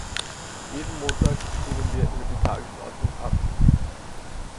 Jeden Montag stimmen wir über die Tagesordnung ab.